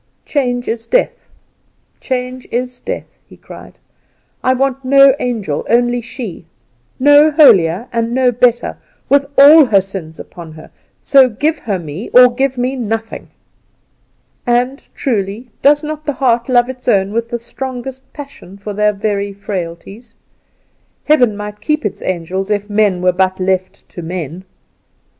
"Change is death, change is death!" he cried. "I want no angel, only she; no holier and no better, with all her sins upon her, so give her me or give me nothing!" And, truly, does not the heart love its own with the strongest passion for their very frailties? Heaven might keep its angels if men were but left to men.